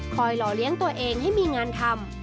หล่อเลี้ยงตัวเองให้มีงานทำ